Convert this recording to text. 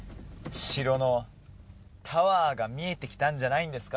城のタワーが見えてきたんじゃないんですか？